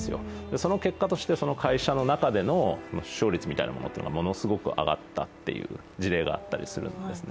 その結果としてその会社の中での出生率みたいなものがものすごく上がったという事例があったりするんですね。